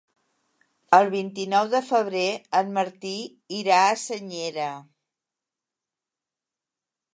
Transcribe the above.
El vint-i-nou de febrer en Martí irà a Senyera.